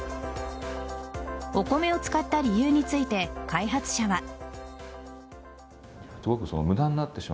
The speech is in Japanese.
お米を使った理由について開発者は。